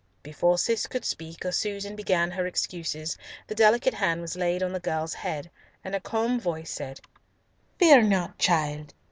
Before Cis could speak or Susan begin her excuses, the delicate hand was laid on the girl's head, and a calm voice said, "Fear not, child.